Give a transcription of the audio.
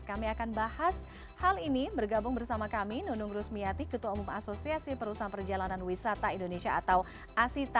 kami akan bahas hal ini bergabung bersama kami nunung rusmiati ketua umum asosiasi perusahaan perjalanan wisata indonesia atau asita